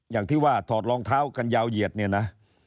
อย่างที่ว่าถอดรองเท้ากันยาวเหยียดเนี่ยนะ